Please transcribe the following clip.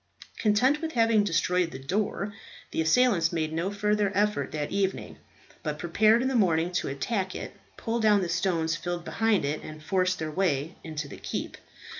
Content with having destroyed the door, the assailants made no further effort that evening, but prepared in the morning to attack it, pull down the stones filled behind it, and force their way into the keep.